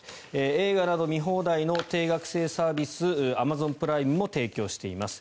映画など見放題の定額制サービスアマゾンプライムも提供しています。